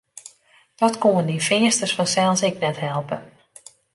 Dat koenen dy Feansters fansels ek net helpe.